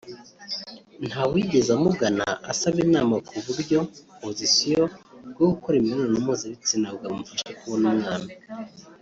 nta wigeze amugana asaba inama ku buryo (position) bwo gukora imibonano mpuzabitsina bwamufasha kubona umwana